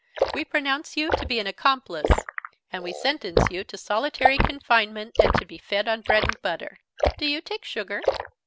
"We pronounce you to be an accomplice: and we sentence you to solitary confinement, and to be fed on bread and butter. Do you take sugar?"